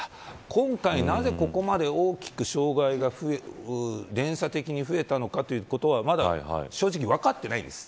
今回、なぜここまで大きく障害が連鎖的に増えたのかということはまだ正直分かっていないんです。